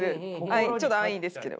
ちょっと安易ですけど。